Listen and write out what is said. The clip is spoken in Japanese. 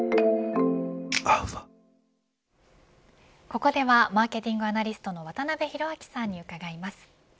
ここではマーケティングアナリストの渡辺広明さんに伺います。